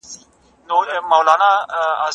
مایټوکونډریا خپل جینیټک مواد لري.